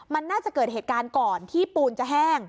มันน่าจะเกิดเหตุการณ์ก่อนที่ปูนจะแห้ง